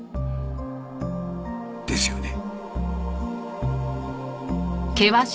ですよね？